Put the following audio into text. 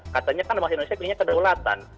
katanya kan bangsa indonesia pilihnya kedaulatan